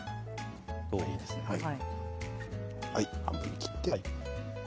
半分に切って。